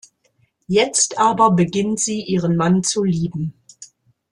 Jetzt aber beginnt sie, ihren Mann zu lieben.